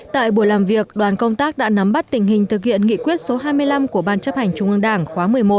tại buổi làm việc đoàn công tác đã nắm bắt tình hình thực hiện nghị quyết số hai mươi năm của ban chấp hành trung ương đảng khóa một mươi một